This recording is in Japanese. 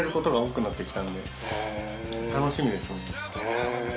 楽しみですね。